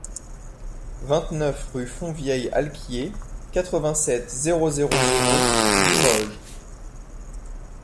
vingt-neuf rue Fonvieille-Alquier, quatre-vingt-sept, zéro zéro zéro, Limoges